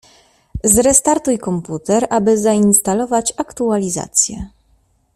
Zrestartuj komputer aby zainstalować aktualizację.